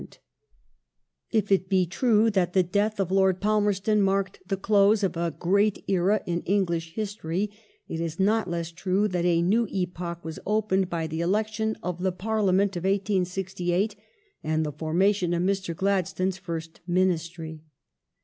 ^ The new If it be true that the death of Lord Palmerston marked the Parlia ment and close of a great era in English history, it is not less true that a the new new epoch was opened by the election of the Parliament of 1868 and the formation of Mr. Gladstone's first Ministry.